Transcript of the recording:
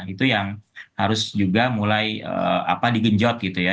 itu yang harus juga mulai digenjot gitu ya